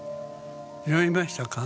酔いましたか？